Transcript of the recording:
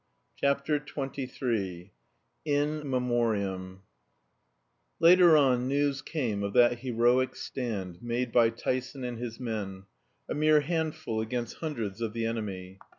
CHAPTER XXIII IN MEMORIAM Later on news came of that heroic stand made by Tyson and his men a mere handful against hundreds of the enemy.